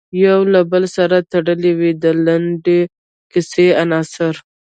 یو له بل سره تړلې وي د لنډې کیسې عناصر.